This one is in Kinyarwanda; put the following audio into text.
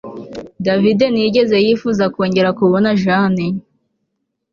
David ntiyigeze yifuza kongera kubona Jane